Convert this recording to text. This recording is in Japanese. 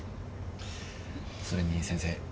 それに先生